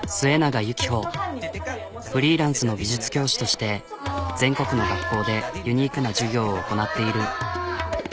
フリーランスの美術教師として全国の学校でユニークな授業を行なっている。